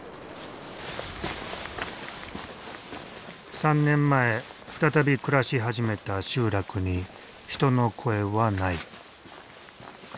３年前再び暮らし始めた集落に人の声はない。